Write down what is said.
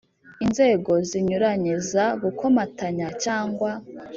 Inzego zinyuranye za gukomatanya cyangwa